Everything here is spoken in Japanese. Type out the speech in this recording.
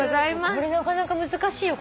これなかなか難しいよ